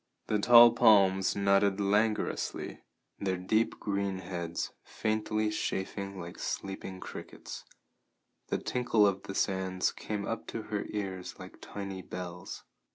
The tall palms nodded languorously, their deep green heads faintly chafing like sleeping crickets; the tinkle of the sands came up to her ears like tiny bells.